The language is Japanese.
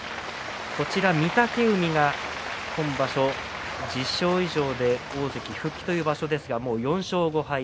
御嶽海が今場所１０勝以上で大関復帰という場所ですが４勝５敗。